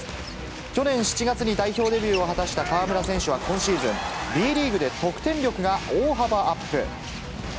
去年７月に代表デビューを果たした河村選手は今シーズン、Ｂリーグで得点力が大幅アップ。